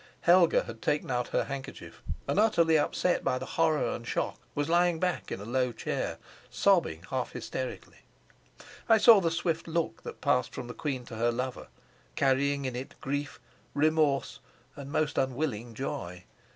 Helga had taken out her handkerchief, and, utterly upset by the horror and shock, was lying back in a low chair, sobbing half hysterically; I saw the swift look that passed from the queen to her lover, carrying in it grief, remorse, and most unwilling joy.